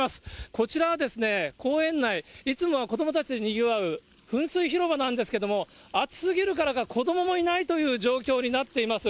こちらはですね、公園内、いつもは子どもたちでにぎわう噴水広場なんですけれども、暑すぎるからか、子どももいないという状況になっています。